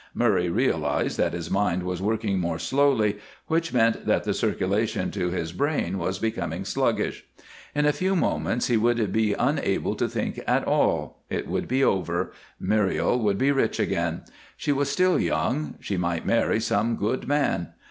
Murray realized that his mind was working more slowly, which meant that the circulation to his brain was becoming sluggish. In a few moments he would be unable to think at all, it would be over Muriel would be rich again. She was still young; she might marry some good man.